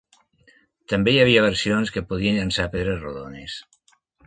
També hi havia versions que podien llançar pedres rodones.